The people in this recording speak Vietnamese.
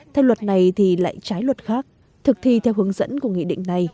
theo luật này thì lại trái luật khác thực thi theo hướng dẫn của nghị định này